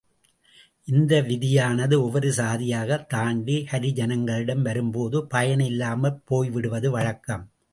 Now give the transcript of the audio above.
இந்த விதியானது ஒவ்வொரு சாதியாகத் தாண்டி ஹரிஜனங்களிடம் வரும்போது பயனில்லாமல் போய்விடுவது வழக்கம்.